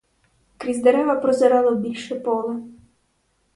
Крізь дерева прозирало більше поле.